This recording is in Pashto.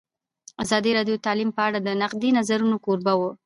ازادي راډیو د تعلیم په اړه د نقدي نظرونو کوربه وه.